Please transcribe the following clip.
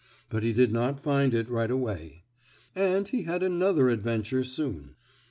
But he did not find it right away. And he had another adventure soon.